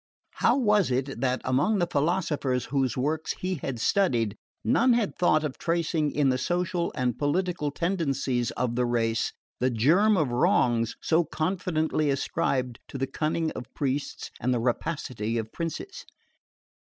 How was it that among the philosophers whose works he had studied, none had thought of tracing in the social and political tendencies of the race the germ of wrongs so confidently ascribed to the cunning of priests and the rapacity of princes?